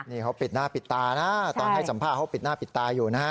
นี่เขาปิดหน้าปิดตานะตอนให้สัมภาษณ์เขาปิดหน้าปิดตาอยู่นะฮะ